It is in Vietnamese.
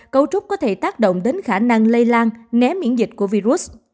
cấu trúc có thể tác động đến khả năng lây lan né miễn dịch của virus